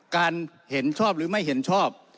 เห็นชอบหรือไม่เห็นชอบ